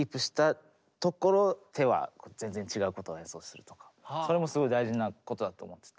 自分が今それもすごい大事なことだと思ってて。